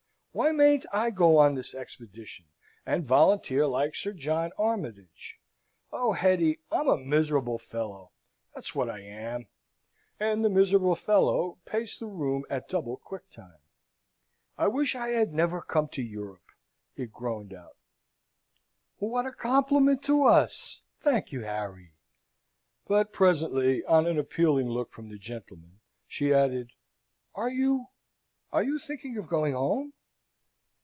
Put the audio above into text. Why mayn't I go on this expedition, and volunteer like Sir John Armytage? Oh, Hetty! I'm a miserable fellow that's what I am," and the miserable fellow paced the room at double quick time. "I wish I had never come to Europe," he groaned out. "What a compliment to us! Thank you, Harry!" But presently, on an appealing look from the gentleman, she added, "Are you are you thinking of going home?"